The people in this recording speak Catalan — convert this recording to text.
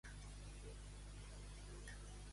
Soltar la boixa.